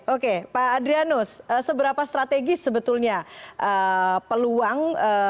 oke pak adrianus seberapa strategis sebetulnya peluang